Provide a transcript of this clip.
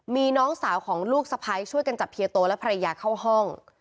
มีน้องสาวของลูกสะพ้ายช่วยกันจับเฮียโตและภรรยาเข้าห้อง